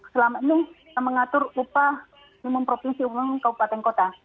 selama ini kita mengatur upah minimum provinsi umum kabupaten kota